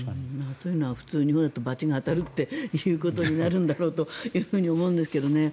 そういうのは普通だと罰が当たることになるんだろうと思いますけどね。